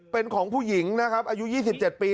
เป็นของผู้หญิงนะครับอายุ๒๗ปี